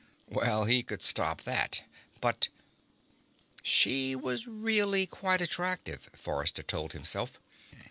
Well, he could stop that. But ... She was really quite attractive, Forrester told himself.